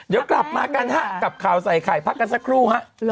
เดี๋ยวกลับมากันฮะกับข่าวใส่ไข่พักกันสักครู่ฮะ